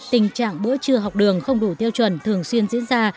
tình trạng bữa trưa học đường không đủ tiêu chuẩn thường xuyên diễn ra